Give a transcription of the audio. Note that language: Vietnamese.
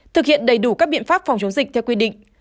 thực hiện đầy đủ các biện pháp phòng chống dịch theo quy định